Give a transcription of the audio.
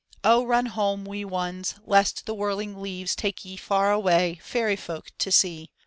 Oh, run home, wee ones, lest the whirling leaves Take ye far away, fairy folk to see.